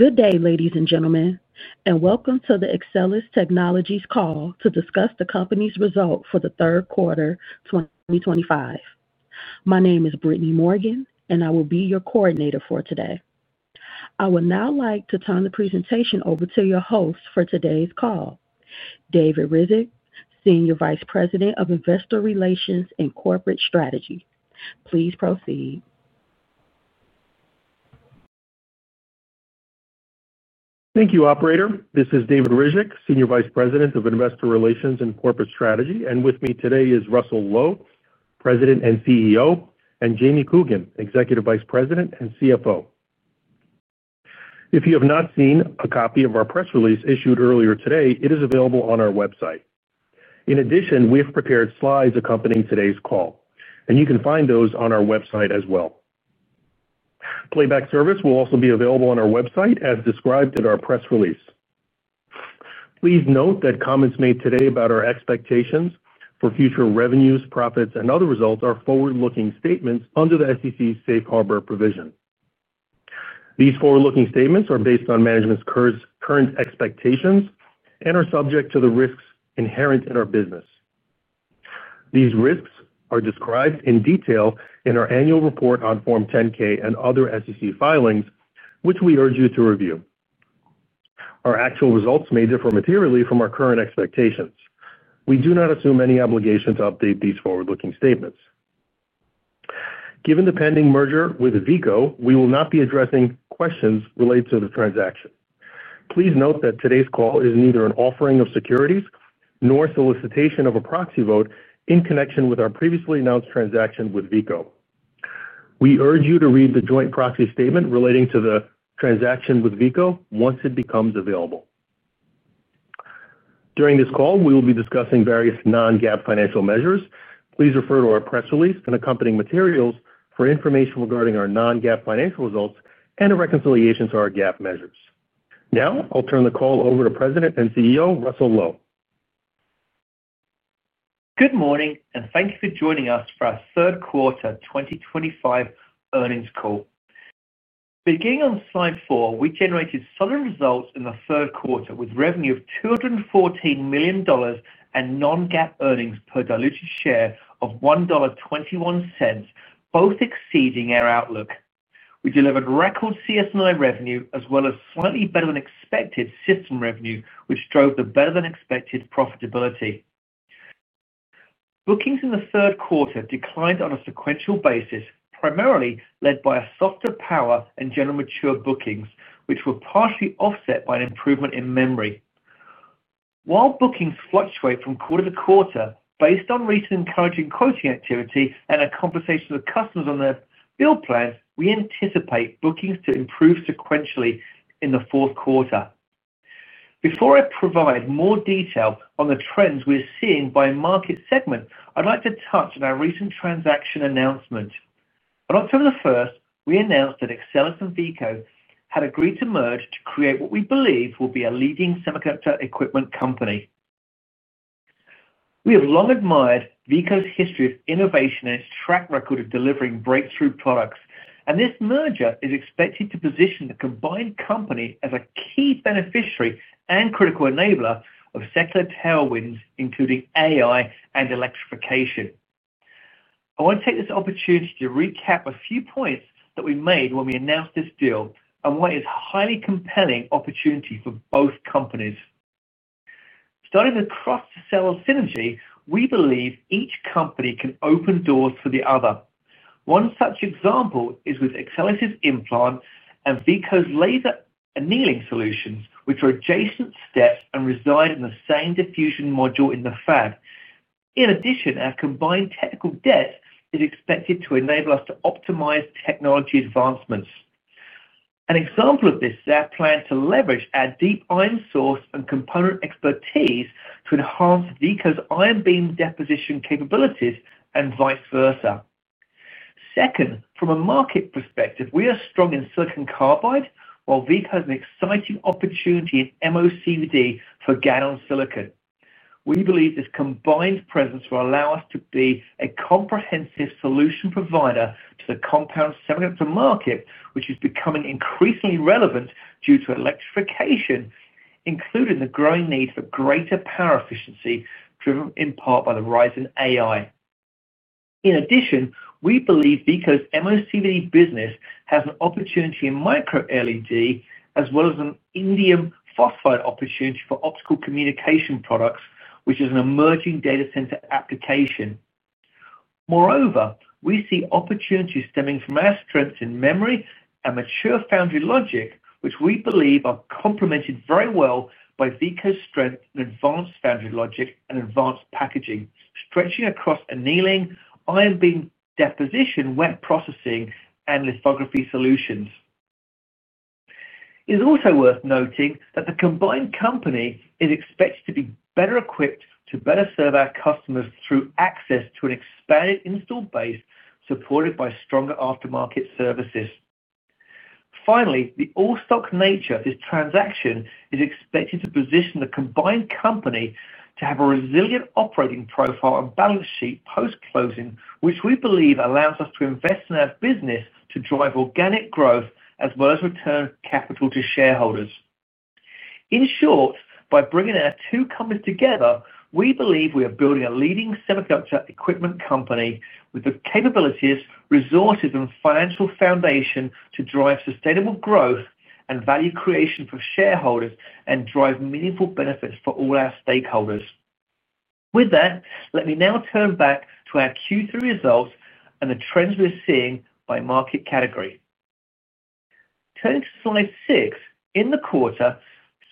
Good day, ladies and gentlemen, and welcome to the Axcelis Technologies call to discuss the company's results for the third quarter 2025. My name is Brittany Morgan, and I will be your coordinator for today. I would now like to turn the presentation over to your host for today's call, David Ryzhik, Senior Vice President of Investor Relations and Corporate Strategy. Please proceed. Thank you, Operator. This is David Ryzhik, Senior Vice President of Investor Relations and Corporate Strategy, and with me today is Russell Low, President and CEO, and Jamie Coogan, Executive Vice President and CFO. If you have not seen a copy of our press release issued earlier today, it is available on our website. In addition, we have prepared slides accompanying today's call, and you can find those on our website as well. Playback service will also be available on our website as described in our press release. Please note that comments made today about our expectations for future revenues, profits, and other results are forward-looking statements under the SEC's safe harbor provision. These forward-looking statements are based on management's current expectations and are subject to the risks inherent in our business. These risks are described in detail in our annual report on Form 10-K and other SEC filings, which we urge you to review. Our actual results may differ materially from our current expectations. We do not assume any obligation to update these forward-looking statements. Given the pending merger with Veeco, we will not be addressing questions related to the transaction. Please note that today's call is neither an offering of securities nor a solicitation of a proxy vote in connection with our previously announced transaction with Veeco. We urge you to read the joint proxy statement relating to the transaction with Veeco once it becomes available. During this call, we will be discussing various non-GAAP financial measures. Please refer to our press release and accompanying materials for information regarding our non-GAAP financial results and the reconciliation to our GAAP measures. Now, I'll turn the call over to President and CEO Russell Low. Good morning, and thank you for joining us for our third quarter 2025 earnings call. Beginning on slide four, we generated solid results in the third quarter with revenue of $214 million and non-GAAP earnings per diluted share of $1.21, both exceeding our outlook. We delivered record CS&I revenue as well as slightly better-than-expected system revenue, which drove the better-than-expected profitability. Bookings in the third quarter declined on a sequential basis, primarily led by a softer power and general mature bookings, which were partially offset by an improvement in memory. While bookings fluctuate from quarter to quarter based on recent encouraging quoting activity and our conversations with customers on their bill plans, we anticipate bookings to improve sequentially in the fourth quarter. Before I provide more detail on the trends we are seeing by market segment, I'd like to touch on our recent transaction announcement. On October the 1st, we announced that Axcelis and Veeco had agreed to merge to create what we believe will be a leading semiconductor equipment company. We have long admired Veeco's history of innovation and its track record of delivering breakthrough products, and this merger is expected to position the combined company as a key beneficiary and critical enabler of secular tailwinds, including AI and electrification. I want to take this opportunity to recap a few points that we made when we announced this deal and why it is a highly compelling opportunity for both companies. Starting across the cell of synergy, we believe each company can open doors for the other. One such example is with Axcelis's implant and Veeco's laser annealing solutions, which are adjacent steps and reside in the same diffusion module in the fab. In addition, our combined technical depth is expected to enable us to optimize technology advancements. An example of this is our plan to leverage our deep ion source and component expertise to enhance Veeco's ion beam deposition capabilities and vice versa. Second, from a market perspective, we are strong in silicon carbide, while Veeco has an exciting opportunity in MOCVD for gallium silicon. We believe this combined presence will allow us to be a comprehensive solution provider to the compound semiconductor market, which is becoming increasingly relevant due to electrification, including the growing need for greater power efficiency driven in part by the rise in AI. In addition, we believe Veeco's MOCVD business has an opportunity in micro-LED as well as an indium phosphide opportunity for optical communication products, which is an emerging data center application. Moreover, we see opportunities stemming from our strengths in memory and mature foundry logic, which we believe are complemented very well by Veeco's strength in advanced foundry logic and advanced packaging, stretching across annealing, ion beam deposition, wet processing, and lithography solutions. It is also worth noting that the combined company is expected to be better equipped to better serve our customers through access to an expanded install base supported by stronger aftermarket services. Finally, the all-stock nature of this transaction is expected to position the combined company to have a resilient operating profile and balance sheet post-closing, which we believe allows us to invest in our business to drive organic growth as well as return capital to shareholders. In short, by bringing our two companies together, we believe we are building a leading semiconductor equipment company with the capabilities, resources, and financial foundation to drive sustainable growth and value creation for shareholders and drive meaningful benefits for all our stakeholders. With that, let me now turn back to our Q3 results and the trends we are seeing by market category. Turning to slide six, in the quarter,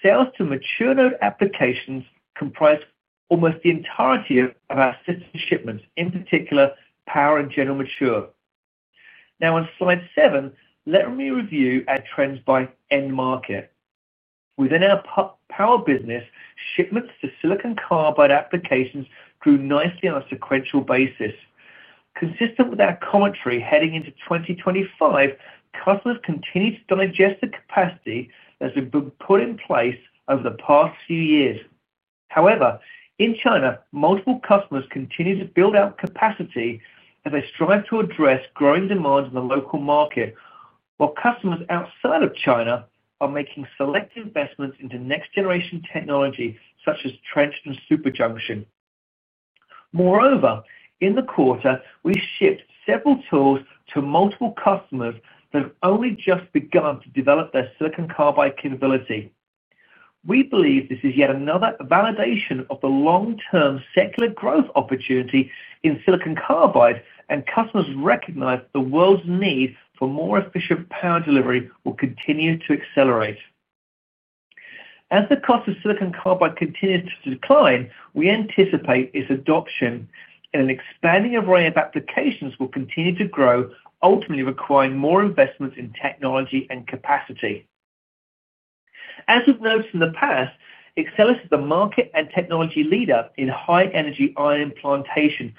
sales to mature node applications comprised almost the entirety of our system shipments, in particular power and general mature. Now, on slide seven, let me review our trends by end market. Within our power business, shipments to silicon carbide applications grew nicely on a sequential basis. Consistent with our commentary heading into 2025, customers continue to digest the capacity that has been put in place over the past few years. However, in China, multiple customers continue to build out capacity as they strive to address growing demand in the local market. While customers outside of China are making select investments into next-generation technology such as trench and superjunction. Moreover, in the quarter, we shipped several tools to multiple customers that have only just begun to develop their silicon carbide capability. We believe this is yet another validation of the long-term secular growth opportunity in silicon carbide, and customers recognize the world's need for more efficient power delivery will continue to accelerate. As the cost of silicon carbide continues to decline, we anticipate its adoption and an expanding array of applications will continue to grow, ultimately requiring more investments in technology and capacity. As we've noticed in the past, Axcelis is the market and technology leader in high-energy ion implantation,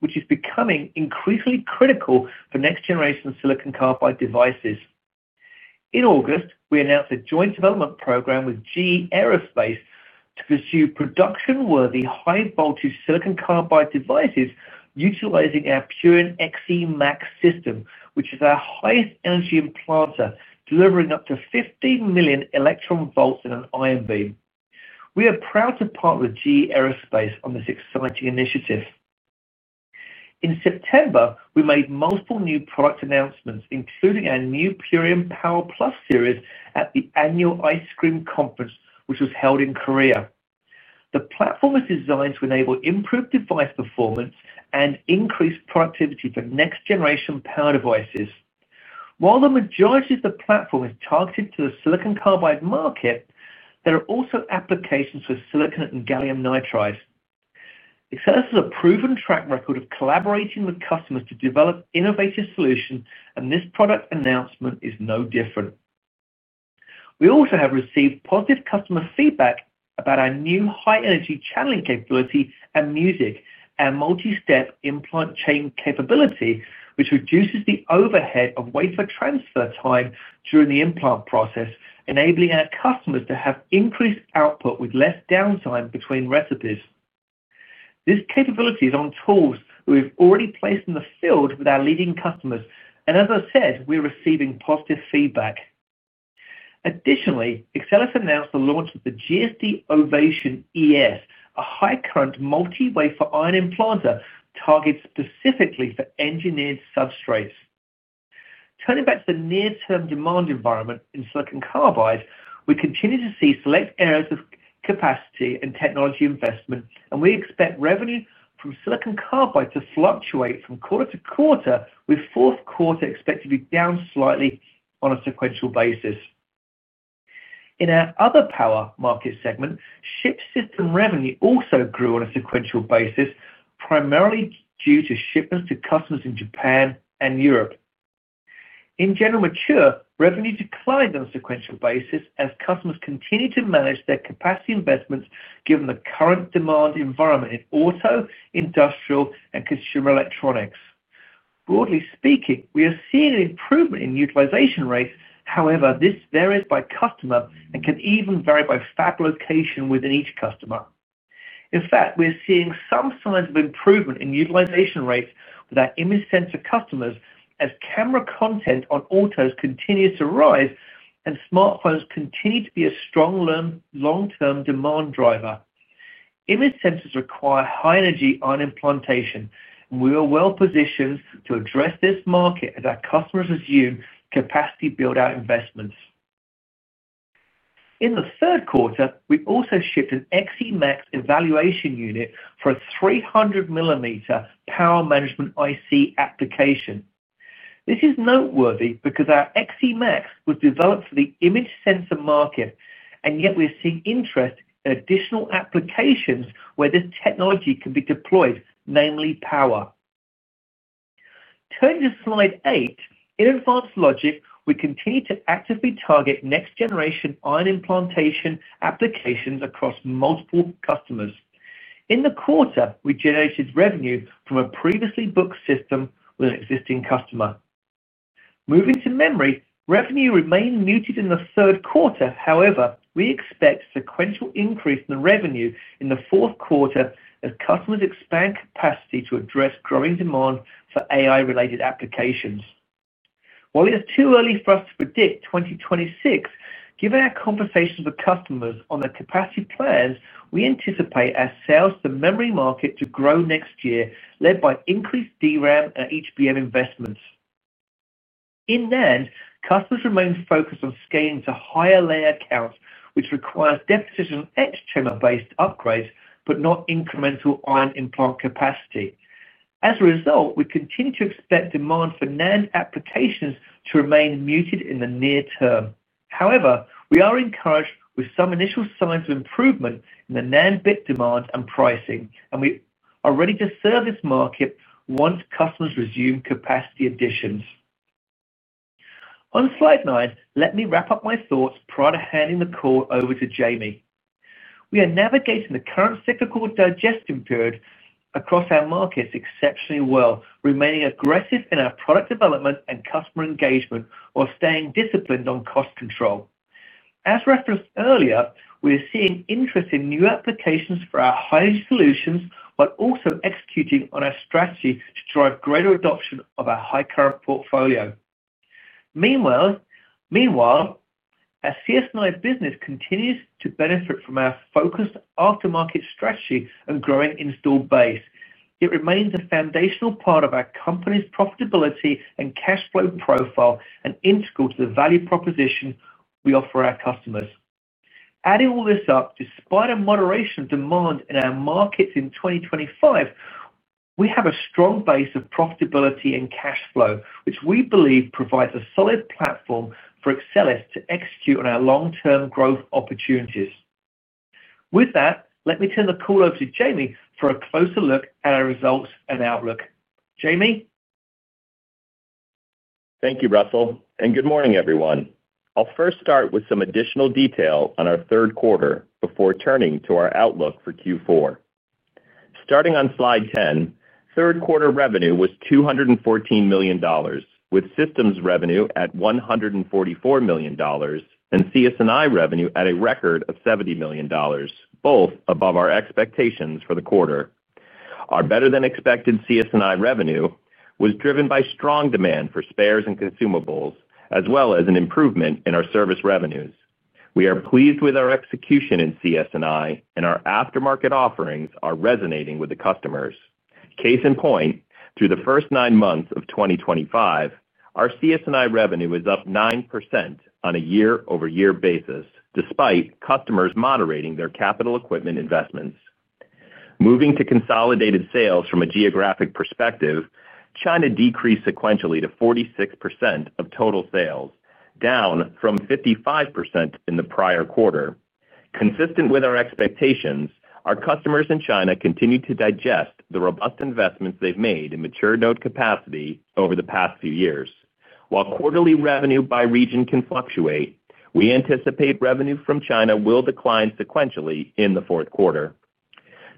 which is becoming increasingly critical for next-generation silicon carbide devices. In August, we announced a joint development program with GE Aerospace to pursue production-worthy high-voltage silicon carbide devices utilizing our Purion XEmax system, which is our highest-energy implanter, delivering up to 15 million electron volts in an ion beam. We are proud to partner with GE Aerospace on this exciting initiative. In September, we made multiple new product announcements, including our new Purion Power+ Series at the annual Ice Cream Conference, which was held in Korea. The platform is designed to enable improved device performance and increased productivity for next-generation power devices. While the majority of the platform is targeted to the silicon carbide market, there are also applications for silicon and gallium nitrides. Axcelis has a proven track record of collaborating with customers to develop innovative solutions, and this product announcement is no different. We also have received positive customer feedback about our new high-energy channeling capability and namely, our multi-step implant capability, which reduces the overhead of wafer transfer time during the implant process, enabling our customers to have increased output with less downtime between recipes. This capability is on tools that we've already placed in the field with our leading customers, and as I said, we are receiving positive feedback. Additionally, Axcelis announced the launch of the GSD Ovation ES, a high-current multi-wafer ion implanter targeted specifically for engineered substrates. Turning back to the near-term demand environment in silicon carbide, we continue to see select areas of capacity and technology investment, and we expect revenue from silicon carbide to fluctuate from quarter to quarter, with fourth quarter expected to be down slightly on a sequential basis. In our other power market segment, SiC system revenue also grew on a sequential basis, primarily due to shipments to customers in Japan and Europe. In general mature, revenue declined on a sequential basis as customers continue to manage their capacity investments given the current demand environment in auto, industrial, and consumer electronics. Broadly speaking, we are seeing an improvement in utilization rates; however, this varies by customer and can even vary by fab location within each customer. In fact, we are seeing some signs of improvement in utilization rates with our image sensor customers as camera content on autos continues to rise and smartphones continue to be a strong long-term demand driver. Image sensors require high-energy ion implantation, and we are well positioned to address this market as our customers resume capacity build-out investments. In the third quarter, we also shipped an XEmax evaluation unit for a 300 mm power management IC application. This is noteworthy because our XEmax was developed for the image sensor market, and yet we are seeing interest in additional applications where this technology can be deployed, namely power. Turning to slide eight, in advanced logic, we continue to actively target next-generation ion implantation applications across multiple customers. In the quarter, we generated revenue from a previously booked system with an existing customer. Moving to memory, revenue remained muted in the third quarter; however, we expect a sequential increase in revenue in the fourth quarter as customers expand capacity to address growing demand for AI-related applications. While it is too early for us to predict 2026, given our conversations with customers on their capacity plans, we anticipate our sales to the memory market to grow next year, led by increased DRAM and HBM investments. In NAND, customers remain focused on scaling to higher layered counts, which requires deposition exchange-based upgrades but not incremental ion implant capacity. As a result, we continue to expect demand for NAND applications to remain muted in the near term. However, we are encouraged with some initial signs of improvement in the NAND bit demand and pricing, and we are ready to serve this market once customers resume capacity additions. On slide nine, let me wrap up my thoughts prior to handing the call over to Jamie. We are navigating the current cyclical digestion period across our markets exceptionally well, remaining aggressive in our product development and customer engagement, while staying disciplined on cost control. As referenced earlier, we are seeing interest in new applications for our high-energy solutions while also executing on our strategy to drive greater adoption of our high-current portfolio. Meanwhile, our CS&I business continues to benefit from our focused aftermarket strategy and growing install base. It remains a foundational part of our company's profitability and cash flow profile and integral to the value proposition we offer our customers. Adding all this up, despite a moderation of demand in our markets in 2025, we have a strong base of profitability and cash flow, which we believe provides a solid platform for Axcelis to execute on our long-term growth opportunities. With that, let me turn the call over to Jamie for a closer look at our results and outlook. Jamie. Thank you, Russell, and good morning, everyone. I'll first start with some additional detail on our third quarter before turning to our outlook for Q4. Starting on slide 10, third quarter revenue was $214 million, with systems revenue at $144 million, and CS&I revenue at a record of $70 million, both above our expectations for the quarter. Our better-than-expected CS&I revenue was driven by strong demand for spares and consumables, as well as an improvement in our service revenues. We are pleased with our execution in CS&I, and our aftermarket offerings are resonating with the customers. Case in point, through the first nine months of 2025, our CS&I revenue is up 9% on a year-over-year basis, despite customers moderating their capital equipment investments. Moving to consolidated sales from a geographic perspective, China decreased sequentially to 46% of total sales, down from 55% in the prior quarter. Consistent with our expectations, our customers in China continue to digest the robust investments they've made in mature node capacity over the past few years. While quarterly revenue by region can fluctuate, we anticipate revenue from China will decline sequentially in the fourth quarter.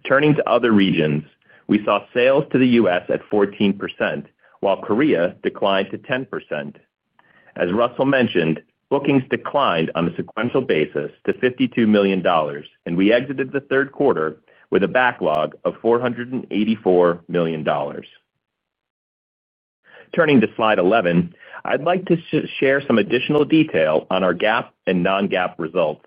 Turning to other regions, we saw sales to the U.S. at 14%, while Korea declined to 10%. As Russell mentioned, bookings declined on a sequential basis to $52 million, and we exited the third quarter with a backlog of $484 million. Turning to slide 11, I'd like to share some additional detail on our GAAP and non-GAAP results.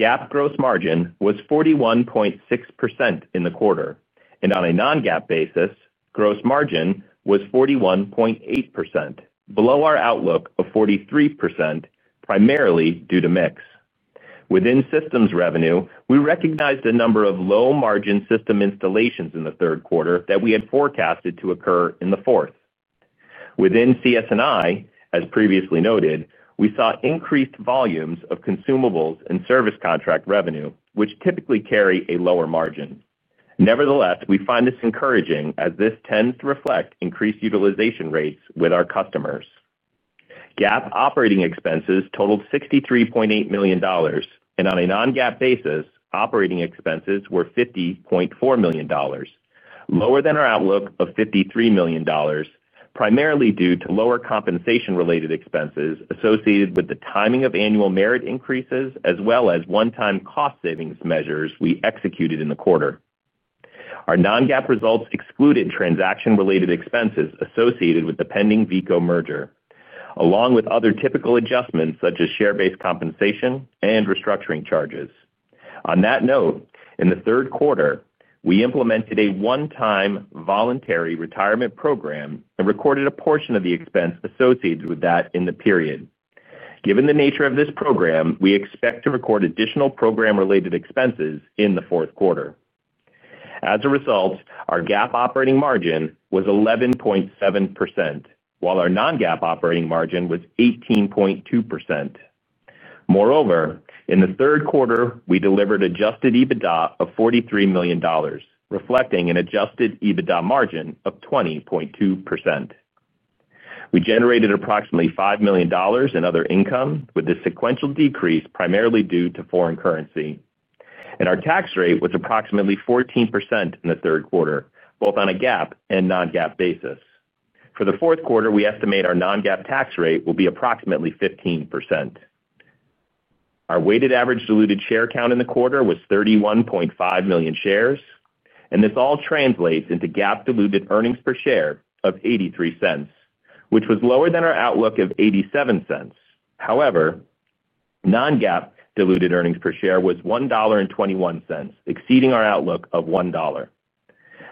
GAAP gross margin was 41.6% in the quarter, and on a non-GAAP basis, gross margin was 41.8%, below our outlook of 43%, primarily due to mix. Within systems revenue, we recognized a number of low-margin system installations in the third quarter that we had forecasted to occur in the fourth. Within CS&I, as previously noted, we saw increased volumes of consumables and service contract revenue, which typically carry a lower margin. Nevertheless, we find this encouraging as this tends to reflect increased utilization rates with our customers. GAAP operating expenses totaled $63.8 million, and on a non-GAAP basis, operating expenses were $50.4 million, lower than our outlook of $53 million, primarily due to lower compensation-related expenses associated with the timing of annual merit increases, as well as one-time cost savings measures we executed in the quarter. Our non-GAAP results excluded transaction-related expenses associated with the pending Veeco merger, along with other typical adjustments such as share-based compensation and restructuring charges. On that note, in the third quarter, we implemented a one-time voluntary retirement program and recorded a portion of the expense associated with that in the period. Given the nature of this program, we expect to record additional program-related expenses in the fourth quarter. As a result, our GAAP operating margin was 11.7%, while our non-GAAP operating margin was 18.2%. Moreover, in the third quarter, we delivered adjusted EBITDA of $43 million, reflecting an adjusted EBITDA margin of 20.2%. We generated approximately $5 million in other income, with the sequential decrease primarily due to foreign currency. And our tax rate was approximately 14% in the third quarter, both on a GAAP and non-GAAP basis. For the fourth quarter, we estimate our non-GAAP tax rate will be approximately 15%. Our weighted average diluted share count in the quarter was 31.5 million shares, and this all translates into GAAP diluted earnings per share of $0.83, which was lower than our outlook of $0.87. However, non-GAAP diluted earnings per share was $1.21, exceeding our outlook of $1.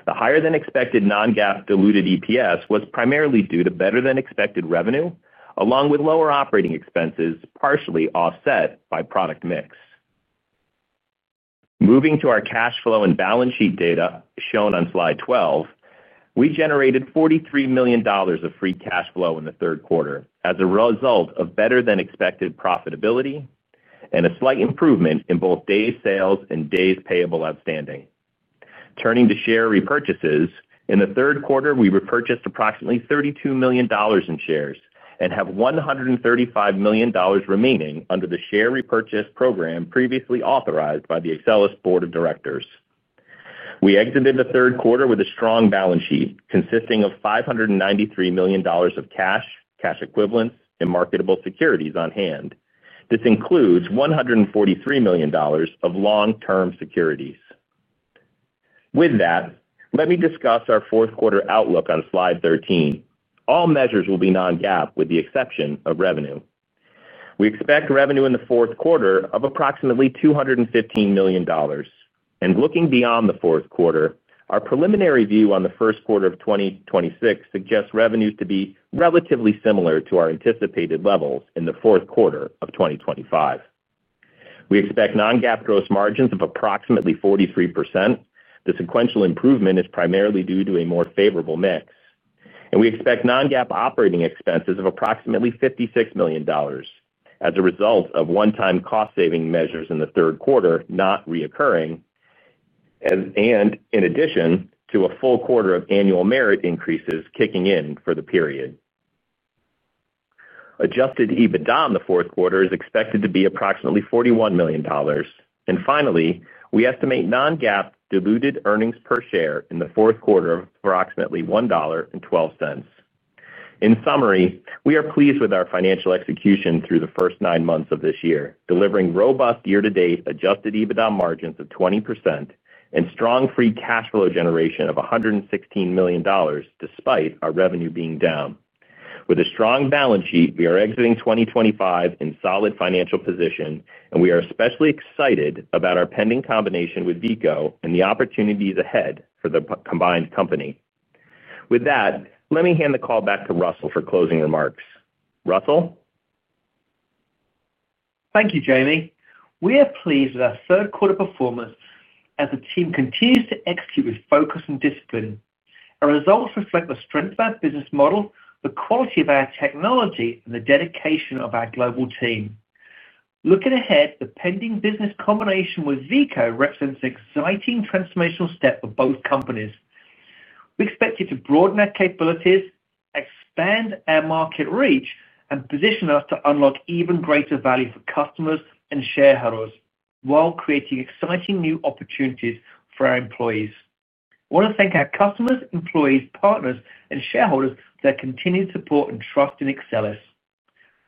The higher-than-expected non-GAAP diluted EPS was primarily due to better-than-expected revenue, along with lower operating expenses partially offset by product mix. Moving to our cash flow and balance sheet data shown on slide 12, we generated $43 million of free cash flow in the third quarter as a result of better-than-expected profitability and a slight improvement in both days sales and days payable outstanding. Turning to share repurchases, in the third quarter, we repurchased approximately $32 million in shares and have $135 million remaining under the share repurchase program previously authorized by the Axcelis Board of Directors. We exited the third quarter with a strong balance sheet consisting of $593 million of cash, cash equivalents, and marketable securities on hand. This includes $143 million of long-term securities. With that, let me discuss our fourth quarter outlook on slide 13. All measures will be non-GAAP with the exception of revenue. We expect revenue in the fourth quarter of approximately $215 million. And looking beyond the fourth quarter, our preliminary view on the first quarter of 2026 suggests revenues to be relatively similar to our anticipated levels in the fourth quarter of 2025. We expect non-GAAP gross margins of approximately 43%. The sequential improvement is primarily due to a more favorable mix. And we expect non-GAAP operating expenses of approximately $56 million, as a result of one-time cost saving measures in the third quarter not reoccurring. And in addition to a full quarter of annual merit increases kicking in for the period. Adjusted EBITDA in the fourth quarter is expected to be approximately $41 million. And finally, we estimate non-GAAP diluted earnings per share in the fourth quarter of approximately $1.12. In summary, we are pleased with our financial execution through the first nine months of this year, delivering robust year-to-date adjusted EBITDA margins of 20% and strong free cash flow generation of $116 million despite our revenue being down. With a strong balance sheet, we are exiting 2025 in solid financial position, and we are especially excited about our pending combination with Veeco and the opportunities ahead for the combined company. With that, let me hand the call back to Russell for closing remarks. Russell? Thank you, Jamie. We are pleased with our third quarter performance as the team continues to execute with focus and discipline. Our results reflect the strength of our business model, the quality of our technology, and the dedication of our global team. Looking ahead, the pending business combination with Veeco represents an exciting transformational step for both companies. We expect it to broaden our capabilities, expand our market reach, and position us to unlock even greater value for customers and shareholders while creating exciting new opportunities for our employees. I want to thank our customers, employees, partners, and shareholders for their continued support and trust in Axcelis.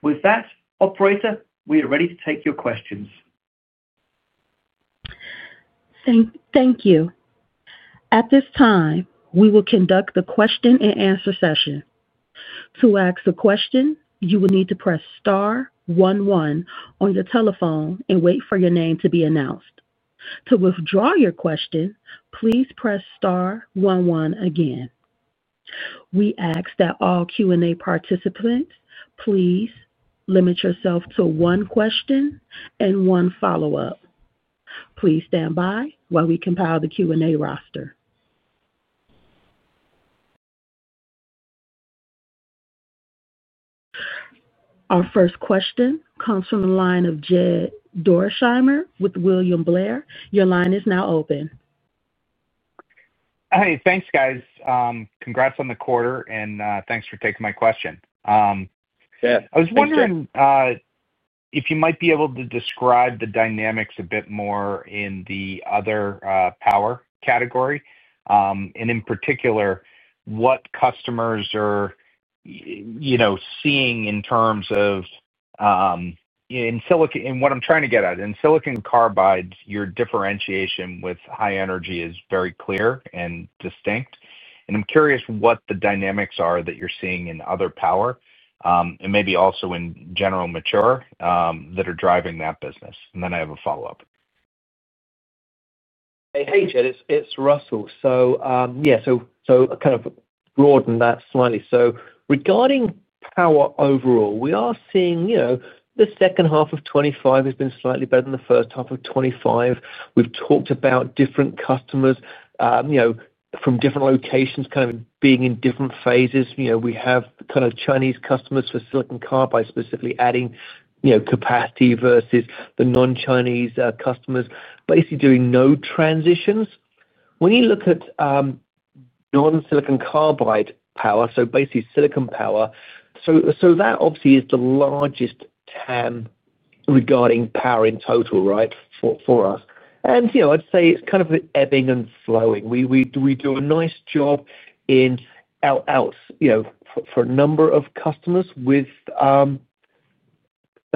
With that, operator, we are ready to take your questions. Thank you. At this time, we will conduct the question-and-answer session. To ask a question, you will need to press star one one on your telephone and wait for your name to be announced. To withdraw your question, please press star one one again. We ask that all Q&A participants please limit yourself to one question and one follow-up. Please stand by while we compile the Q&A roster. Our first question comes from the line of Jed Dorsheimer with William Blair. Your line is now open. Hey, thanks, guys. Congrats on the quarter, and thanks for taking my question. I was wondering. If you might be able to describe the dynamics a bit more in the other power category, and in particular. What customers are. Seeing in terms of. In what I'm trying to get at. In silicon carbides, your differentiation with high energy is very clear and distinct. And I'm curious what the dynamics are that you're seeing in other power, and maybe also in general mature that are driving that business. And then I have a follow-up. Hey, Jed, it's Russell. So yeah, so kind of broaden that slightly. So regarding power overall, we are seeing the second half of 2025 has been slightly better than the first half of 2025. We've talked about different customers. From different locations kind of being in different phases. We have kind of Chinese customers for silicon carbide specifically adding capacity versus the non-Chinese customers, basically doing no transitions. When you look at. Non-silicon carbide power, so basically silicon power, so that obviously is the largest TAM regarding power in total, right, for us. And I'd say it's kind of ebbing and flowing. We do a nice job in else for a number of customers with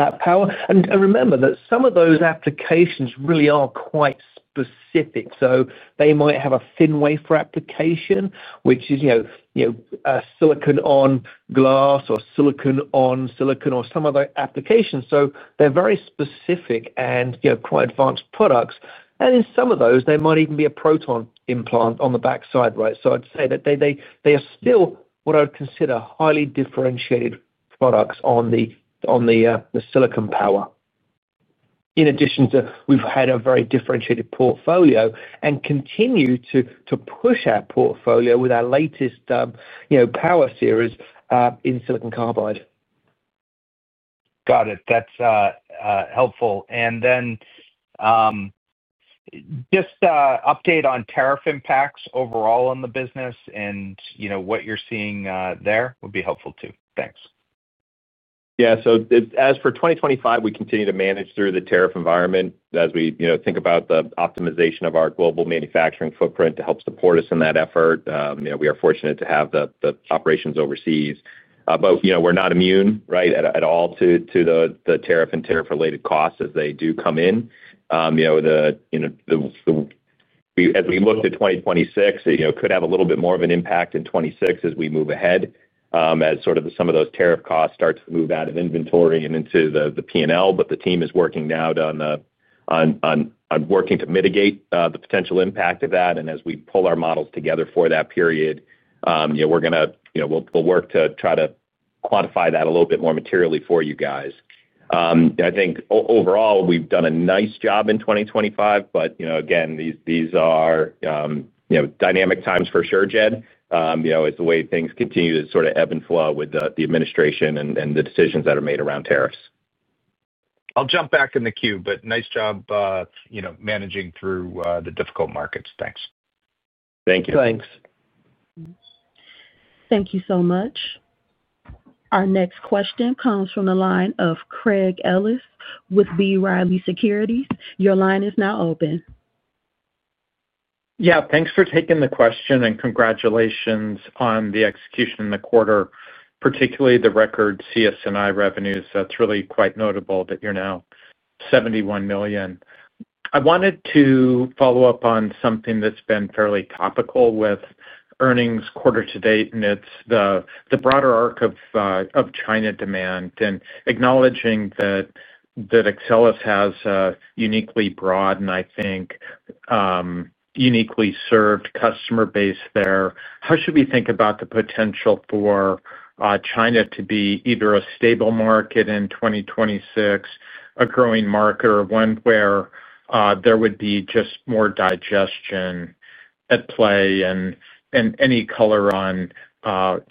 that power. And remember that some of those applications really are quite specific. So they might have a thin-wafer application, which is silicon-on-glass or silicon-on-silicon or some other application. So they're very specific and quite advanced products. And in some of those, they might even be a proton implant on the backside, right? So I'd say that they are still what I would consider highly differentiated products on the silicon power. In addition to we've had a very differentiated portfolio and continue to push our portfolio with our latest power series in silicon carbide. Got it. That's helpful. And then just update on tariff impacts overall on the business and what you're seeing there would be helpful too. Thanks. Yeah. So as for 2025, we continue to manage through the tariff environment as we think about the optimization of our global manufacturing footprint to help support us in that effort. We are fortunate to have the operations overseas. But we're not immune, right, at all to the tariff and tariff-related costs as they do come in. As we look to 2026, it could have a little bit more of an impact in 2026 as we move ahead as sort of some of those tariff costs start to move out of inventory and into the P&L. But the team is working now on working to mitigate the potential impact of that. And as we pull our models together for that period. We're going to work to try to quantify that a little bit more materially for you guys. I think overall, we've done a nice job in 2025. But again, these are dynamic times for sure, Jed, as the way things continue to sort of ebb and flow with the administration and the decisions that are made around tariffs. I'll jump back in the queue, but nice job managing through the difficult markets. Thanks. Thank you. Thanks. Thank you so much. Our next question comes from the line of Craig Ellis with B. Riley Securities. Your line is now open. Yeah. Thanks for taking the question and congratulations on the execution in the quarter, particularly the record CS&I revenues. That's really quite notable that you're now $71 million. I wanted to follow up on something that's been fairly topical with earnings quarter to date, and it's the broader arc of China demand. And acknowledging that Axcelis has a uniquely broad and I think uniquely served customer base there, how should we think about the potential for China to be either a stable market in 2026, a growing market, or one where there would be just more digestion at play and any color on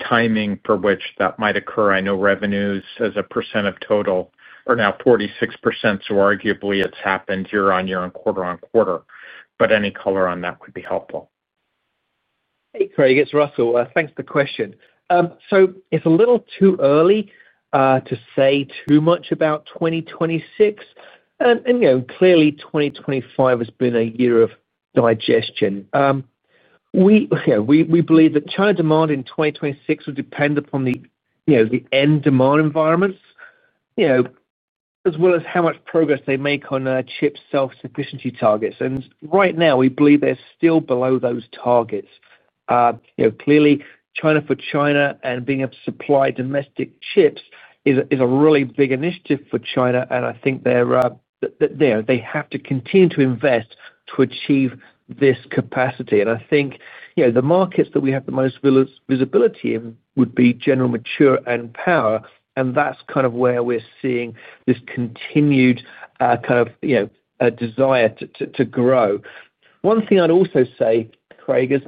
timing for which that might occur? I know revenues as a percent of total are now 46%, so arguably it's happened year on year and quarter on quarter. But any color on that would be helpful. Hey, Craig. It's Russell. Thanks for the question. So it's a little too early to say too much about 2026. And clearly, 2025 has been a year of digestion. We believe that China demand in 2026 will depend upon the end demand environments. As well as how much progress they make on chip self-sufficiency targets. And right now, we believe they're still below those targets. Clearly, China for China and being able to supply domestic chips is a really big initiative for China. And I think they have to continue to invest to achieve this capacity. And I think the markets that we have the most visibility in would be general mature and power. And that's kind of where we're seeing this continued kind of desire to grow. One thing I'd also say, Craig, is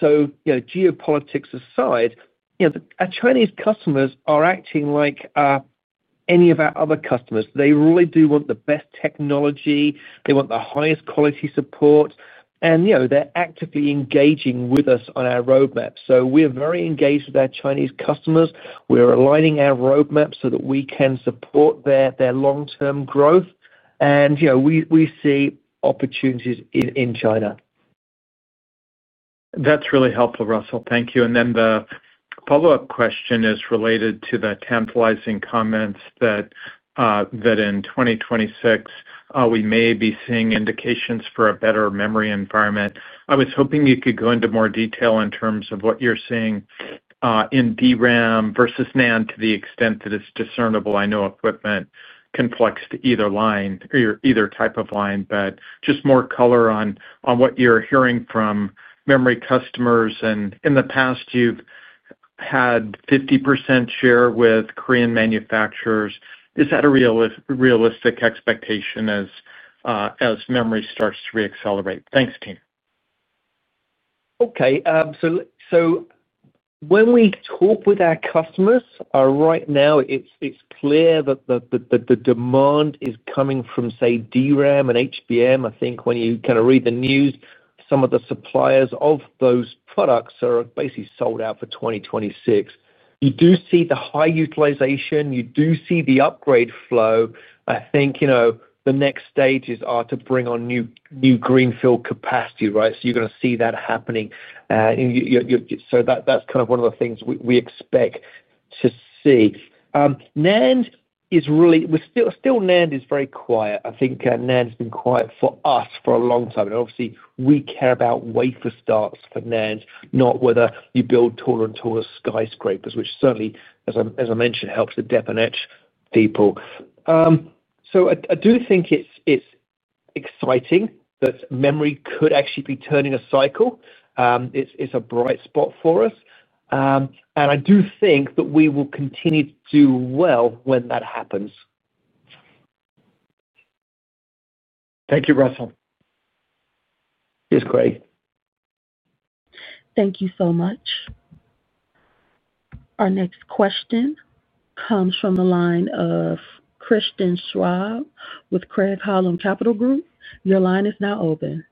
so geopolitics aside, our Chinese customers are acting like any of our other customers. They really do want the best technology. They want the highest quality support. And they're actively engaging with us on our roadmap. So we're very engaged with our Chinese customers. We're aligning our roadmap so that we can support their long-term growth. And we see opportunities in China. That's really helpful, Russell. Thank you. And then the follow-up question is related to the tantalizing comments that in 2026, we may be seeing indications for a better memory environment. I was hoping you could go into more detail in terms of what you're seeing in DRAM versus NAND to the extent that it's discernible. I know equipment can flex to either line or either type of line, but just more color on what you're hearing from memory customers. And in the past, you've had 50% share with Korean manufacturers. Is that a realistic expectation as memory starts to reaccelerate? Thanks, team. Okay. So when we talk with our customers, right now, it's clear that the demand is coming from, say, DRAM and HBM. I think when you kind of read the news, some of the suppliers of those products are basically sold out for 2026. You do see the high utilization. You do see the upgrade flow. I think the next stages are to bring on new greenfield capacity, right? So you're going to see that happening. So that's kind of one of the things we expect to see. NAND is really still very quiet. I think NAND has been quiet for us for a long time. And obviously, we care about wafer starts for NAND, not whether you build taller and taller skyscrapers, which certainly, as I mentioned, helps the depo and etch people. So I do think it's exciting that memory could actually be turning a cycle. It's a bright spot for us. And I do think that we will continue to do well when that happens. Thank you, Russell. Thanks, Craig. Thank you so much. Our next question comes from the line of Christian Schwab with Craig-Hallum Capital Group. Your line is now open.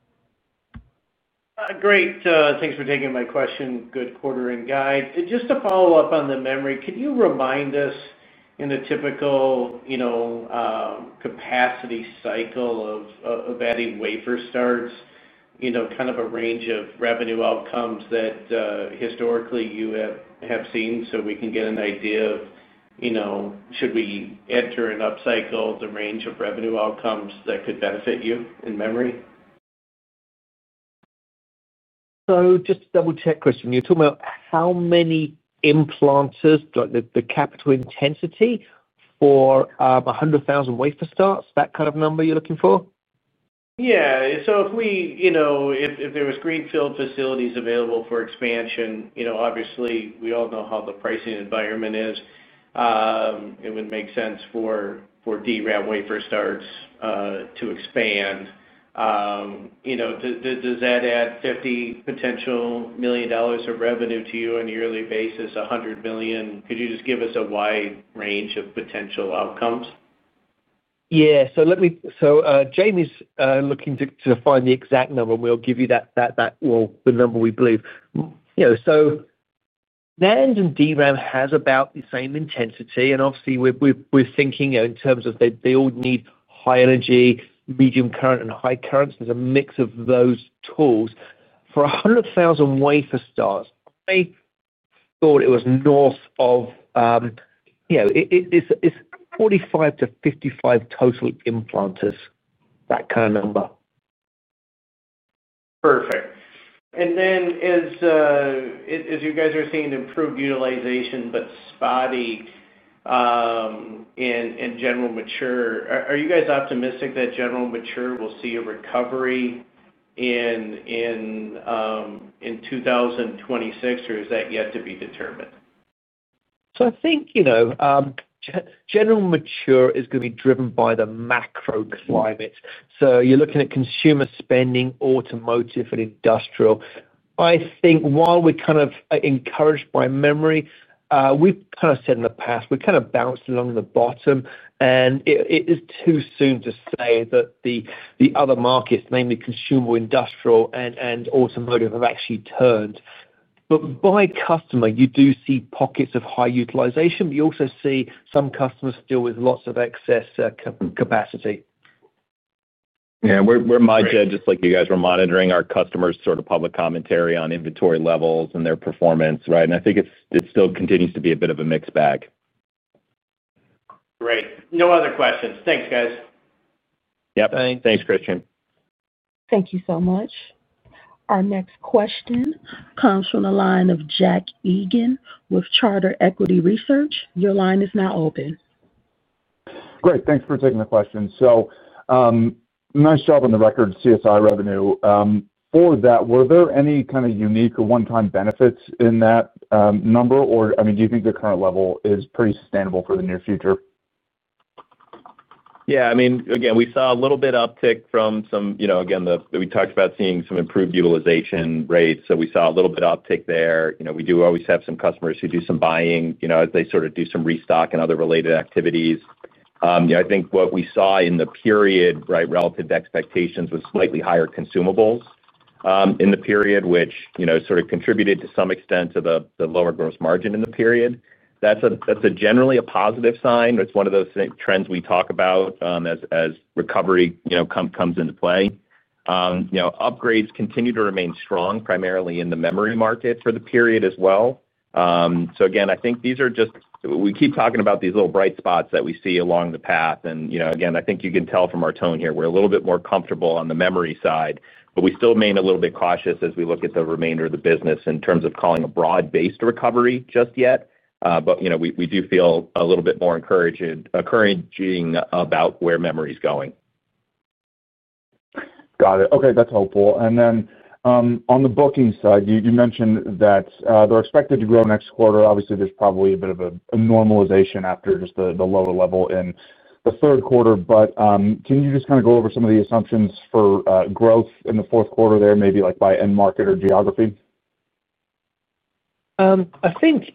Great. Thanks for taking my question. Good quarter and guide. Just to follow up on the memory, could you remind us in a typical capacity cycle of adding wafer starts, kind of a range of revenue outcomes that historically you have seen? So we can get an idea of should we enter an upcycle, the range of revenue outcomes that could benefit you in memory? So just a double-check question. You're talking about how many implanters, the capital intensity for 100,000 wafer starts, that kind of number you're looking for? Yeah. So if there were greenfield facilities available for expansion, obviously, we all know how the pricing environment is. It would make sense for DRAM wafer starts to expand. Does that add $50 potential million dollars of revenue to you on a yearly basis, $100 million? Could you just give us a wide range of potential outcomes? Yeah. So Jamie's looking to find the exact number, and we'll give you that. Well, the number we believe. So NAND and DRAM has about the same intensity. And obviously, we're thinking in terms of they all need high energy, medium current, and high currents. There's a mix of those tools. For 100,000 wafer starts, I thought it was north of. It's 45-55 total implanters, that kind of number. Perfect. And then as you guys are seeing improved utilization but spotty in general mature, are you guys optimistic that general mature will see a recovery in 2026, or is that yet to be determined? So I think general mature is going to be driven by the macro climate. So you're looking at consumer spending, automotive, and industrial. I think while we're kind of encouraged by memory, we've kind of said in the past, we're kind of bounced along the bottom. And it is too soon to say that the other markets, namely consumer, industrial, and automotive, have actually turned. But by customer, you do see pockets of high utilization, but you also see some customers still with lots of excess capacity. Yeah. We're mindful, just like you guys, we're monitoring our customers' sort of public commentary on inventory levels and their performance, right? And I think it still continues to be a bit of a mixed bag. Great. No other questions. Thanks, guys. Yep. Thanks, Christian. Thank you so much. Our next question comes from the line of Jack Egan with Charter Equity Research. Your line is now open. Great. Thanks for taking the question. So nice job on the record CS&I revenue. For that, were there any kind of unique or one-time benefits in that number? Or I mean, do you think the current level is pretty sustainable for the near future? Yeah. I mean, again, we saw a little bit of uptick from some, again, we talked about seeing some improved utilization rates. So we saw a little bit of uptick there. We do always have some customers who do some buying as they sort of do some restock and other related activities. I think what we saw in the period, right, relative to expectations was slightly higher consumables in the period, which sort of contributed to some extent to the lower gross margin in the period. That's generally a positive sign. It's one of those trends we talk about. As recovery comes into play. Upgrades continue to remain strong, primarily in the memory market for the period as well. So again, I think these are just we keep talking about these little bright spots that we see along the path. And again, I think you can tell from our tone here, we're a little bit more comfortable on the memory side. But we still remain a little bit cautious as we look at the remainder of the business in terms of calling a broad-based recovery just yet. But we do feel a little bit more encouraging about where memory is going. Got it. Okay. That's helpful. And then on the booking side, you mentioned that they're expected to grow next quarter. Obviously, there's probably a bit of a normalization after just the lower level in the third quarter. But can you just kind of go over some of the assumptions for growth in the fourth quarter there, maybe by end market or geography? I think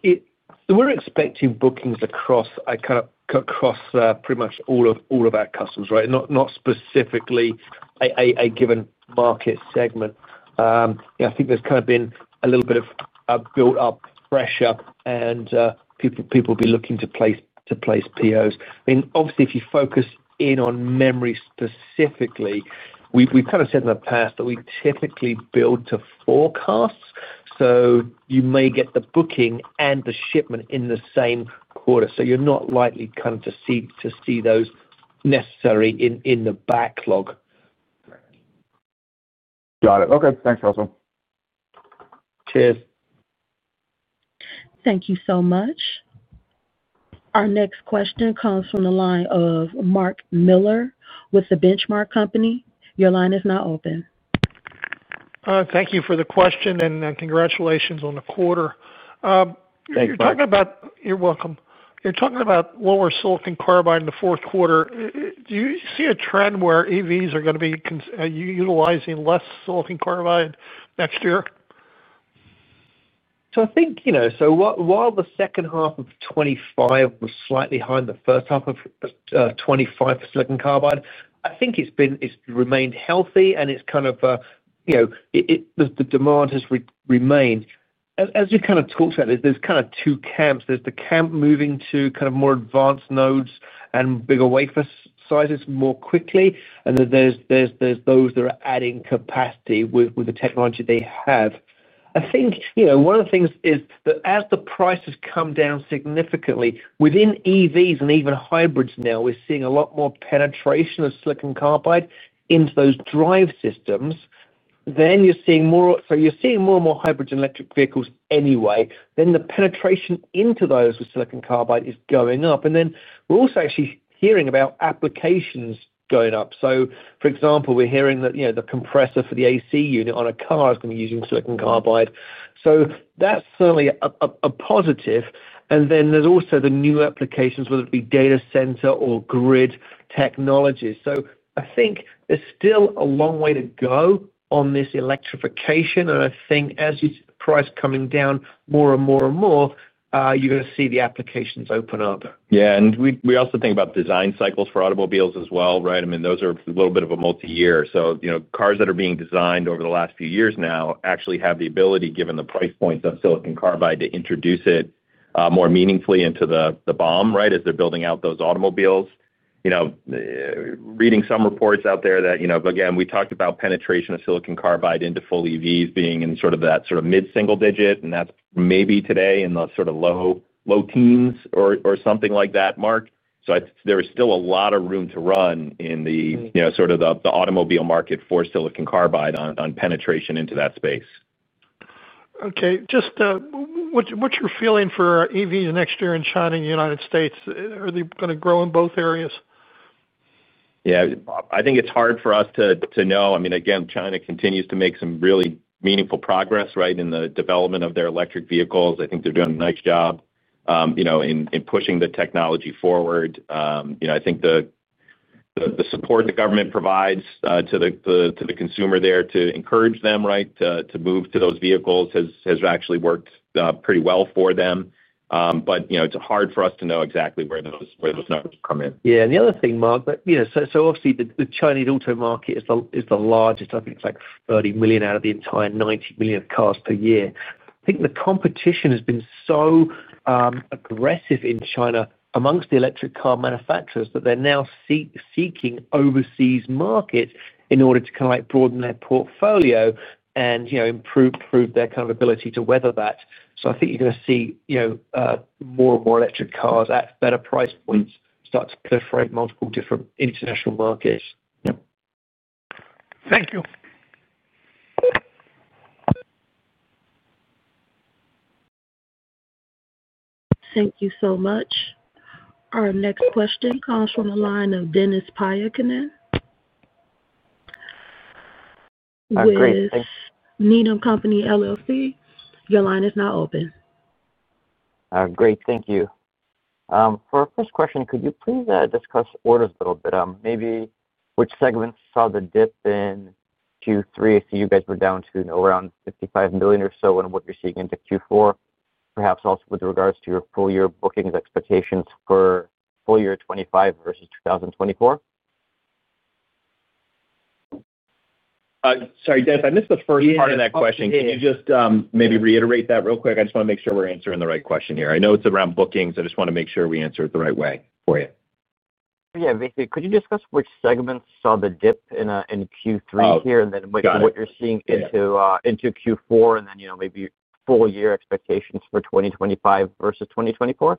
we're expecting bookings across pretty much all of our customers, right? Not specifically a given market segment. I think there's kind of been a little bit of built-up pressure, and people will be looking to place POs. I mean, obviously, if you focus in on memory specifically, we've kind of said in the past that we typically build to forecasts. So you may get the booking and the shipment in the same quarter. So you're not likely kind of to see those necessarily in the backlog. Got it. Okay. Thanks, Russell. Cheers. Thank you so much. Our next question comes from the line of Mark Miller with The Benchmark Company. Your line is now open. Thank you for the question, and congratulations on the quarter. Thanks, Mark. You're welcome. You're talking about lower silicon carbide in the fourth quarter. Do you see a trend where EVs are going to be utilizing less silicon carbide next year? So I think so while the second half of 2025 was slightly higher than the first half of 2025 for silicon carbide, I think it's remained healthy, and it's kind of the demand has remained. As you kind of talked about, there's kind of two camps. There's the camp moving to kind of more advanced nodes and bigger wafer sizes more quickly. And there's those that are adding capacity with the technology they have. I think one of the things is that as the prices come down significantly within EVs and even hybrids now, we're seeing a lot more penetration of silicon carbide into those drive systems. Then you're seeing more and more hybrids and electric vehicles anyway. Then the penetration into those with silicon carbide is going up. And then we're also actually hearing about applications going up. So for example, we're hearing that the compressor for the AC unit on a car is going to be using silicon carbide. So that's certainly a positive. And then there's also the new applications, whether it be data center or grid technologies. So I think there's still a long way to go on this electrification. And I think as you see the price coming down more and more and more, you're going to see the applications open up. Yeah. And we also think about design cycles for automobiles as well, right? I mean, those are a little bit of a multi-year. So cars that are being designed over the last few years now actually have the ability, given the price points of silicon carbide, to introduce it more meaningfully into the BOM, right, as they're building out those automobiles. Reading some reports out there that, again, we talked about penetration of silicon carbide into full EVs being in sort of that mid-single digit. And that's maybe today in the sort of low teens or something like that, Mark. So there is still a lot of room to run in sort of the automobile market for silicon carbide on penetration into that space. Okay. What's your feeling for EVs next year in China and the United States? Are they going to grow in both areas? Yeah. I think it's hard for us to know. I mean, again, China continues to make some really meaningful progress, right, in the development of their electric vehicles. I think they're doing a nice job in pushing the technology forward. I think the support the government provides to the consumer there to encourage them, right, to move to those vehicles has actually worked pretty well for them. But it's hard for us to know exactly where those numbers come in. Yeah. And the other thing, Mark, so obviously, the Chinese auto market is the largest. I think it's like 30 million out of the entire 90 million cars per year. I think the competition has been so aggressive in China amongst the electric car manufacturers that they're now seeking overseas markets in order to kind of broaden their portfolio and improve their kind of ability to weather that. So I think you're going to see more and more electric cars at better price points start to proliferate multiple different international markets. Yeah. Thank you. Thank you so much. Our next question comes from the line of [Dennis Pak] with Needham & Company, LLC. Your line is now open. Great. Thank you. For our first question, could you please discuss orders a little bit? Maybe which segments saw the dip in Q3? I see you guys were down to around $55 million or so in what you're seeing into Q4, perhaps also with regards to your full-year bookings expectations for full year 2025 versus 2024? Sorry, Dennis, I missed the first part of that question. Can you just maybe reiterate that real quick? I just want to make sure we're answering the right question here. I know it's around bookings. I just want to make sure we answer it the right way for you. Yeah. Basically, could you discuss which segments saw the dip in Q3 here and then what you're seeing into Q4 and then maybe full-year expectations for 2025 versus 2024? Yeah.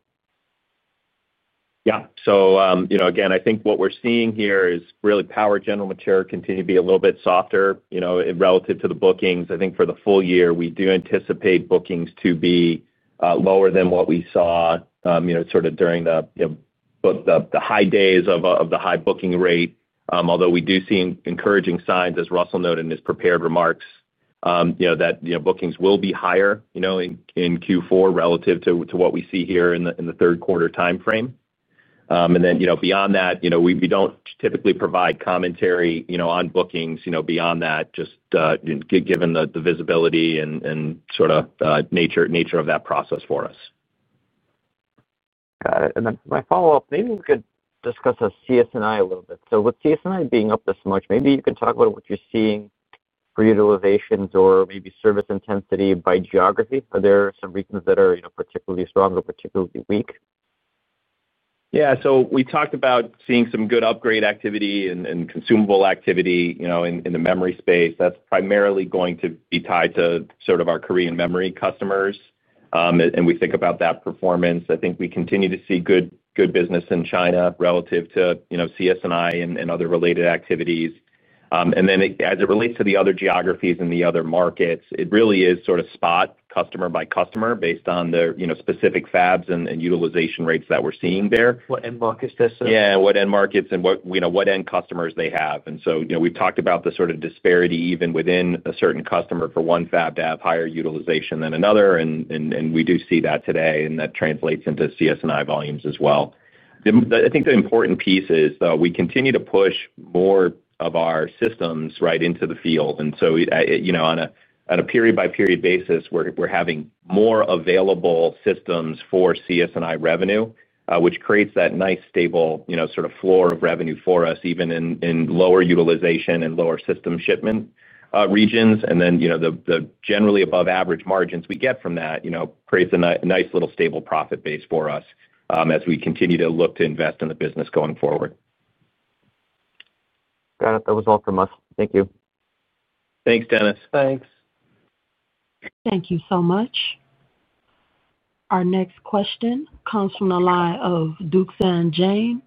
So again, I think what we're seeing here is really power general material continue to be a little bit softer relative to the bookings. I think for the full year, we do anticipate bookings to be lower than what we saw sort of during the high days of the high booking rate. Although we do see encouraging signs, as Russell noted in his prepared remarks, that bookings will be higher in Q4 relative to what we see here in the third quarter timeframe. And then beyond that, we don't typically provide commentary on bookings beyond that, just given the visibility and sort of nature of that process for us. Got it. And then my follow-up, maybe we could discuss CS&I a little bit. So with CS&I being up this much, maybe you can talk about what you're seeing for utilizations or maybe service intensity by geography. Are there some reasons that are particularly strong or particularly weak? Yeah. So we talked about seeing some good upgrade activity and consumable activity in the memory space. That's primarily going to be tied to sort of our Korean memory customers. And we think about that performance. I think we continue to see good business in China relative to CS&I and other related activities. And then as it relates to the other geographies and the other markets, it really is sort of spot customer by customer based on the specific fabs and utilization rates that we're seeing there. What end markets they're serving? Yeah. What end markets and what end customers they have. And so we've talked about the sort of disparity even within a certain customer for one fab to have higher utilization than another. And we do see that today, and that translates into CS&I volumes as well. I think the important piece is, though, we continue to push more of our systems, right, into the field. And so on a period-by-period basis, we're having more available systems for CS&I revenue, which creates that nice, stable sort of floor of revenue for us, even in lower utilization and lower system shipment regions. And then the generally above-average margins we get from that creates a nice little stable profit base for us as we continue to look to invest in the business going forward. Got it. That was all from us. Thank you. Thanks, Dennis. Thanks. Thank you so much. Our next question comes from the line of Duksan Jang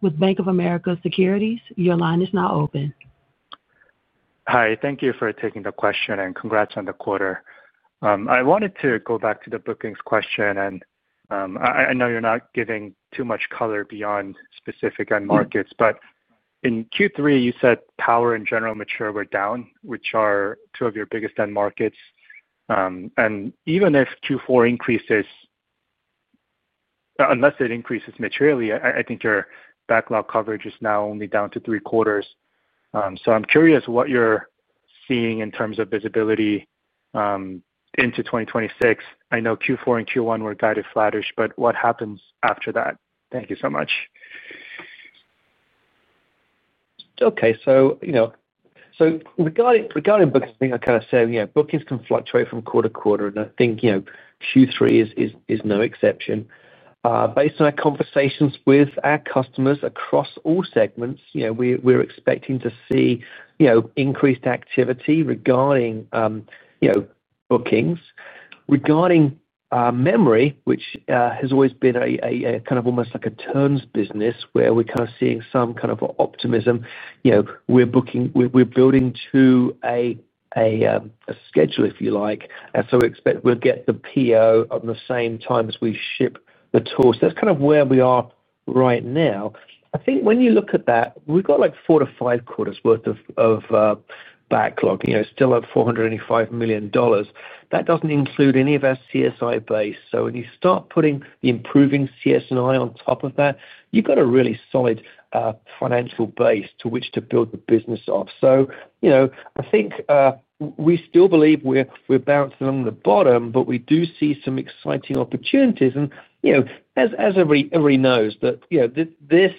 with Bank of America Securities. Your line is now open. Hi. Thank you for taking the question and congrats on the quarter. I wanted to go back to the bookings question. And I know you're not giving too much color beyond specific end markets. But in Q3, you said power and general material were down, which are two of your biggest end markets. And even if Q4 increases. Unless it increases materially, I think your backlog coverage is now only down to three-quarters. So I'm curious what you're seeing in terms of visibility into 2026. I know Q4 and Q1 were guided flattish, but what happens after that? Thank you so much. Okay. So regarding bookings, I think I kind of said bookings can fluctuate from quarter to quarter. And I think Q3 is no exception. Based on our conversations with our customers across all segments, we're expecting to see increased activity regarding bookings regarding memory, which has always been kind of almost like a terms business where we're kind of seeing some kind of optimism. We're building to a schedule, if you like. And so we expect we'll get the PO on the same time as we ship the tool. So that's kind of where we are right now. I think when you look at that, we've got like four to five quarters' worth of backlog, still at $485 million. That doesn't include any of our CS&I base. So when you start putting the improving CS&I on top of that, you've got a really solid financial base to which to build the business off. So I think we still believe we're bouncing on the bottom, but we do see some exciting opportunities. And as everybody knows, this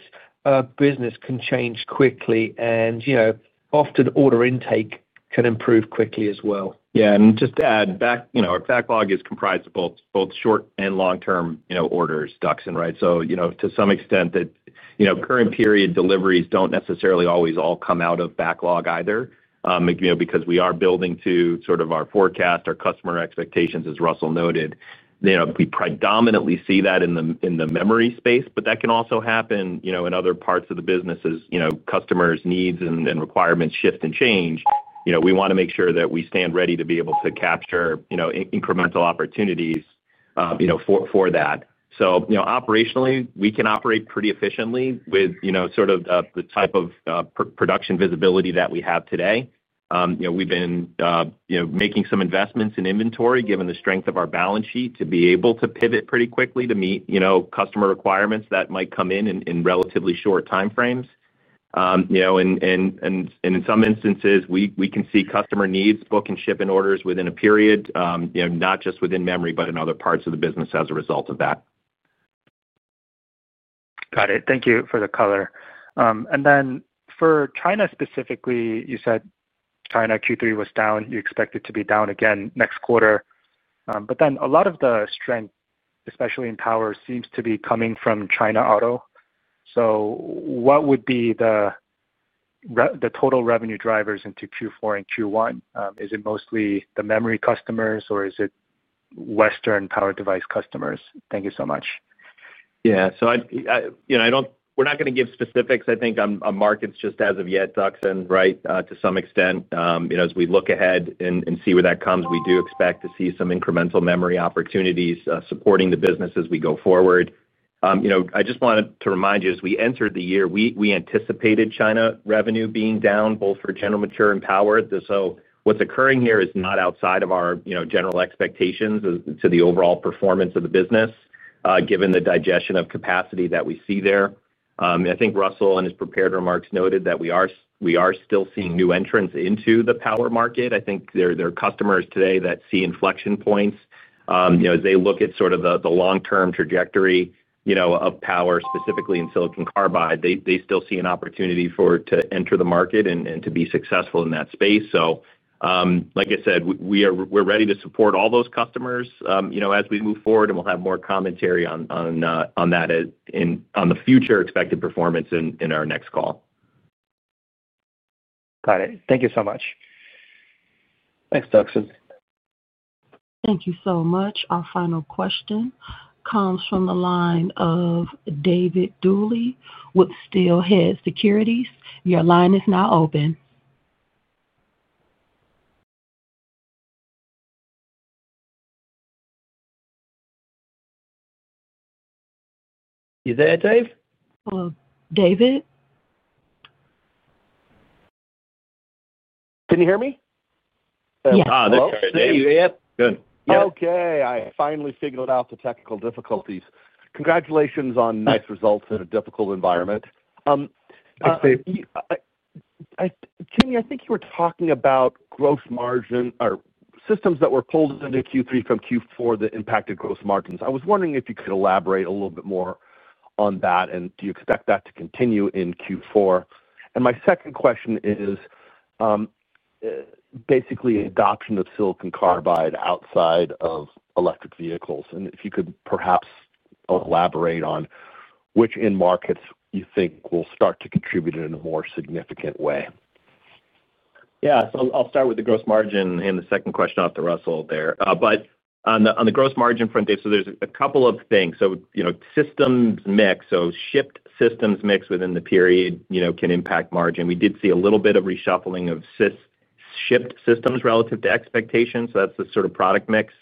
business can change quickly, and often order intake can improve quickly as well. Yeah. And just to add, our backlog is comprised of both short and long-term orders, Duksan, right? So to some extent current-period deliveries don't necessarily always all come out of backlog either because we are building to sort of our forecast, our customer expectations, as Russell noted. We predominantly see that in the memory space, but that can also happen in other parts of the business as customers' needs and requirements shift and change. We want to make sure that we stand ready to be able to capture incremental opportunities for that. So operationally, we can operate pretty efficiently with sort of the type of production visibility that we have today. We've been making some investments in inventory, given the strength of our balance sheet, to be able to pivot pretty quickly to meet customer requirements that might come in in relatively short timeframes. And in some instances, we can see customer needs, book and ship in orders within a period. Not just within memory, but in other parts of the business as a result of that. Got it. Thank you for the color. And then for China specifically, you said China Q3 was down. You expect it to be down again next quarter. But then a lot of the strength, especially in power, seems to be coming from China Auto. So what would be the total revenue drivers into Q4 and Q1? Is it mostly the memory customers, or is it Western power device customers? Thank you so much. Yeah. So. We're not going to give specifics. I think on markets just as of yet, Duksan, right, to some extent, as we look ahead and see where that comes, we do expect to see some incremental memory opportunities supporting the business as we go forward. I just wanted to remind you, as we entered the year, we anticipated China revenue being down both for general material and power. So what's occurring here is not outside of our general expectations to the overall performance of the business. Given the digestion of capacity that we see there. I think Russell in his prepared remarks noted that we are still seeing new entrants into the power market. I think there are customers today that see inflection points. As they look at sort of the long-term trajectory of power, specifically in silicon carbide, they still see an opportunity to enter the market and to be successful in that space. So. Like I said, we're ready to support all those customers as we move forward, and we'll have more commentary on that. On the future expected performance in our next call. Got it. Thank you so much. Thanks, Duksan. Thank you so much. Our final question comes from the line of David Duley with Steelhead Securities. Your line is now open. You there, Dave? Hello. David? Can you hear me? Yeah. Okay. There you are. Good. Okay. I finally figured out the technical difficulties. Congratulations on nice results in a difficult environment. Jamie, I think you were talking about gross margin or systems that were pulled into Q3 from Q4 that impacted gross margins. I was wondering if you could elaborate a little bit more on that, and do you expect that to continue in Q4? And my second question is. Basically adoption of silicon carbide outside of electric vehicles. And if you could perhaps elaborate on which end markets you think will start to contribute in a more significant way. Yeah. So I'll start with the gross margin and the second question off to Russell there. But on the gross margin front, Dave, so there's a couple of things. So systems mix. So shipped systems mix within the period can impact margin. We did see a little bit of reshuffling of shipped systems relative to expectations. So that's the sort of product mix.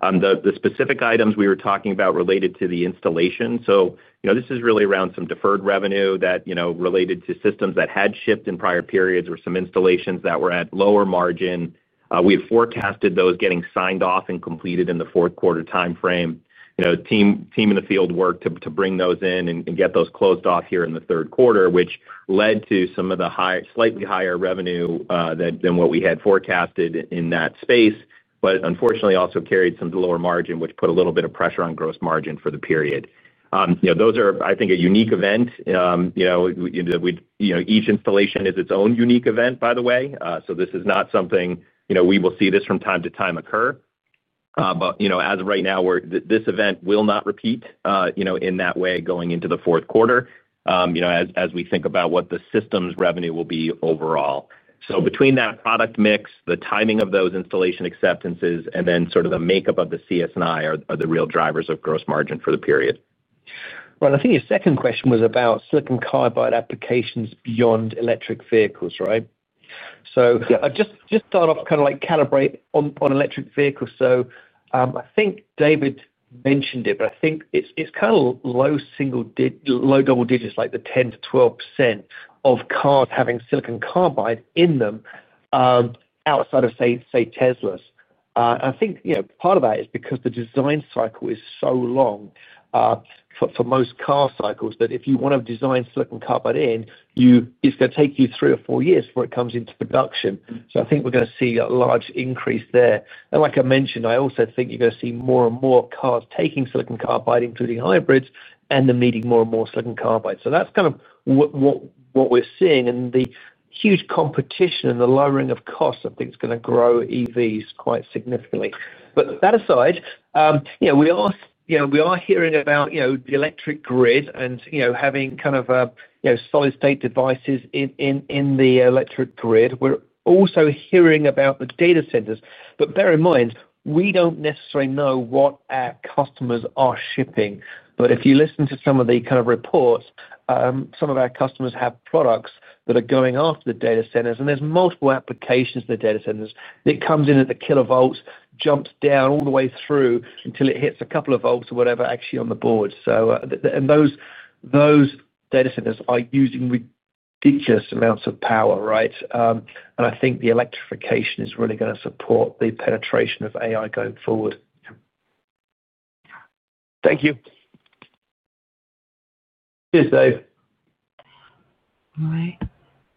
The specific items we were talking about related to the installation. So this is really around some deferred revenue that related to systems that had shipped in prior periods or some installations that were at lower margin. We had forecasted those getting signed off and completed in the fourth quarter timeframe. Team in the field worked to bring those in and get those closed off here in the third quarter, which led to some of the slightly higher revenue than what we had forecasted in that space, but unfortunately also carried some lower margin, which put a little bit of pressure on gross margin for the period. Those are, I think, a unique event. Each installation is its own unique event, by the way. So this is not something we will see from time to time occur. But as of right now, this event will not repeat in that way going into the fourth quarter. As we think about what the systems revenue will be overall. So between that product mix, the timing of those installation acceptances, and then sort of the makeup of the CS&I are the real drivers of gross margin for the period. Well, I think your second question was about silicon carbide applications beyond electric vehicles, right? So just start off kind of like calibrate on electric vehicles. So I think David mentioned it, but I think it's kind of low double digits, like the 10%-12% of cars having silicon carbide in them. Outside of, say, Teslas. I think part of that is because the design cycle is so long. For most car cycles that if you want to design silicon carbide in, it's going to take you three or four years before it comes into production. So I think we're going to see a large increase there. And like I mentioned, I also think you're going to see more and more cars taking silicon carbide, including hybrids, and them needing more and more silicon carbide. So that's kind of what we're seeing. And the huge competition and the lowering of costs, I think, is going to grow EVs quite significantly. But that aside, we are hearing about the electric grid and having kind of solid-state devices in the electric grid. We're also hearing about the data centers. But bear in mind, we don't necessarily know what our customers are shipping. But if you listen to some of the kind of reports, some of our customers have products that are going off to the data centers, and there's multiple applications to the data centers. It comes in at the kilovolts, jumps down all the way through until it hits a couple of volts or whatever actually on the board. And those data centers are using ridiculous amounts of power, right? And I think the electrification is really going to support the penetration of AI going forward. Thank you. Cheers, Dave. All right.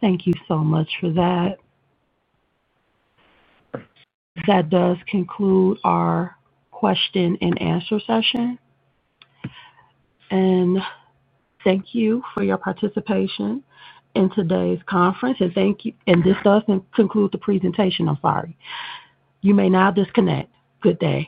Thank you so much for that. That does conclude our question-and-answer session. And thank you for your participation in today's conference. And this doesn't conclude the presentation. I'm sorry. You may now disconnect. Good day.